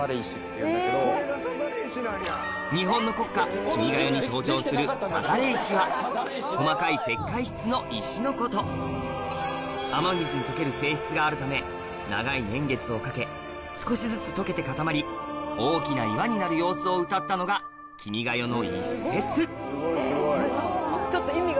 日本の国歌『君が代』に登場する雨水に溶ける性質があるため長い年月をかけ少しずつ溶けて固まり大きな岩になる様子をうたったのが『君が代』の一説